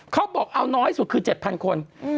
เขาบอกเอาน้อยสุดคือ๗๐๐คน